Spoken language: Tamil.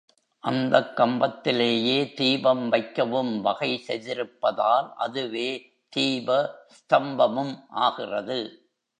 அந்தக் கம்பத்திலேயே தீபம் வைக்கவும்வகை செய்திருப்பதால் அதுவே தீப ஸ்தம்பமும் ஆகிறது.